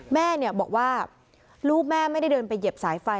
แม่บอกว่าลูกแม่ไม่ได้เดินไปเหยียบสายไฟ